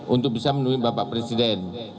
untuk bisa menemui bapak presiden